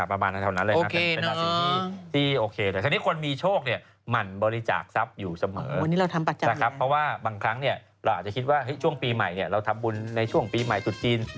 เราอาจจะคิดว่าช่วงปีใหม่เนี่ยเราทำบุญในช่วงปีใหม่จุดจีน